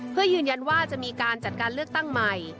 เพื่อยืนยันว่าจะมีการจัดการเลือกตั้งใหม่